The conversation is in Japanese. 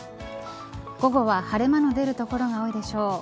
午後は晴れ間の出る所が多いでしょう。